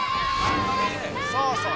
そうそう！